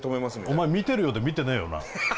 お前見てるようで見てねえよな。